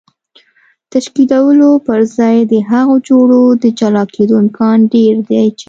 تشکیلولو پر ځای د هغو جوړو د جلا کېدو امکان ډېر دی چې